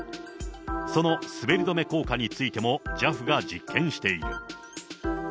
その滑り止め効果についても、ＪＡＦが実験している。